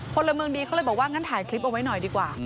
พลเมืองดีเขาเลยบอกว่างั้นถ่ายคลิปเอาไว้หน่อยดีกว่า